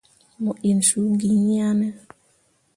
Mo inni suu gi iŋ yah ne.